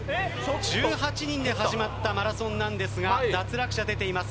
１８人で始まったマラソンなんですが脱落者出ています